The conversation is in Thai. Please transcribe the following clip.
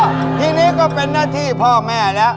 ทีนี้ก็เป็นหน้าที่พ่อแม่แล้ว